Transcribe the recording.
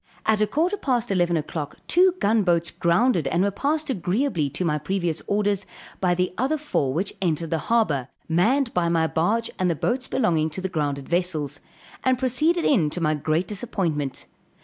At a quarter past 11 o'clock, two gun boats grounded and were passed agreeably to my previous orders, by the other four which entered the harbor, manned by my barge and the boats belonging to the grounded vessels, and proceeded in to my great disappointment.